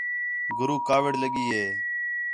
گُروک کاوِڑ لڳی ہِے